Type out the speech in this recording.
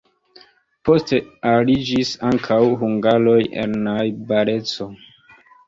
Poste aliĝis ankaŭ hungaroj el la najbareco.